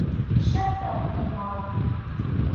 Шәп тә уҡый, малай.